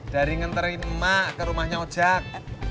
dari ngenterim mak ke rumahnya ojak